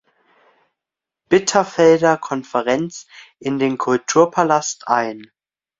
Bitterfelder Konferenz in den Kulturpalast ein.